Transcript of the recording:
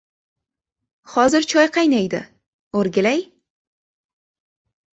— Hozir choy qaynaydi, o‘rgilay!